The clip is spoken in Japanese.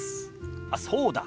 あっそうだ。